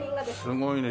すごいね。